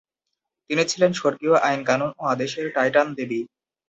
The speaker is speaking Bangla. তিনি ছিলেন স্বর্গীয় আইন-কানুন ও আদেশের টাইটান দেবী।